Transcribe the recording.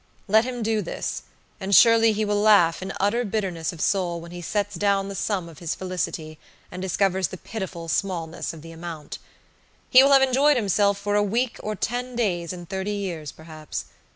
Let him do this, and surely he will laugh in utter bitterness of soul when he sets down the sum of his felicity, and discovers the pitiful smallness of the amount. He will have enjoyed himself for a week or ten days in thirty years, perhaps.